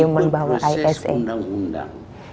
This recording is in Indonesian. ini berproses undang undang